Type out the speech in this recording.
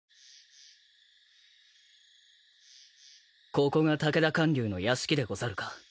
ここが武田観柳の屋敷でござるか。